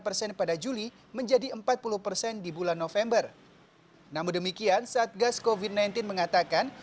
persen pada juli menjadi empat puluh persen di bulan november namun demikian satgas kofit sembilan belas mengatakan